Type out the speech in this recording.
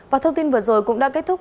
và thông tin vừa rồi cũng đã kết thúc